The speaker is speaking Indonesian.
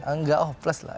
enggak hopeless lah